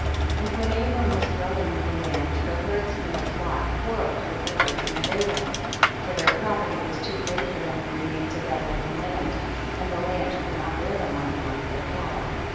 36. And when Abram was dwel ling in the land the herdsmen of Lot quarrelled with the herdsmen of Abram, for their property was too great for them to remain together in the land, and the land could not bear them on account of their cattle.